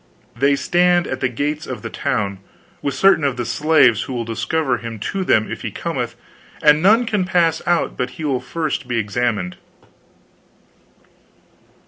They stand at the gates of the town, with certain of the slaves who will discover him to them if he cometh, and none can pass out but he will be first examined."